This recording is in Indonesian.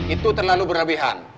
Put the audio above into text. itu terlalu berlebihan